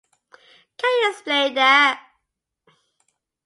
Can you explain that?